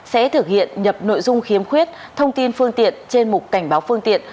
sẽ thực hiện nhập nội dung khiếm khuyết thông tin phương tiện trên mục cảnh báo phương tiện